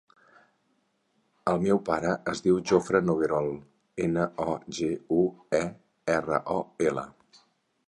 El meu pare es diu Jofre Noguerol: ena, o, ge, u, e, erra, o, ela.